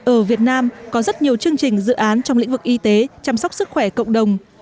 ở việt nam có rất nhiều chương trình dự án trong lĩnh vực y tế chăm sóc sức khỏe cộng đồng